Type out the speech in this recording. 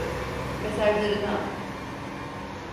Mesajlarını aldım.